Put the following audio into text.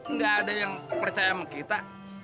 nggak ada yang percaya sama kita